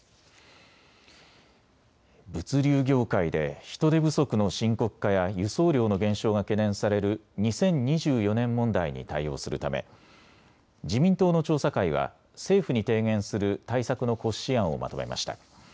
物流業界で人手不足の深刻化や輸送量の減少が懸念される２０２４年問題に対応するため自民党の調査会は政府に提言する対策の骨子案をまとめました。